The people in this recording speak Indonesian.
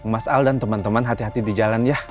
mas al dan teman teman hati hati di jalan ya